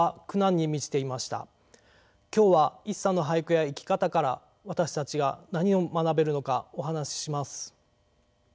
今日は一茶の俳句や生き方から私たちは何を学べるのかお話しします。